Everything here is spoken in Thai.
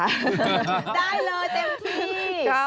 ได้เลยเต็มที่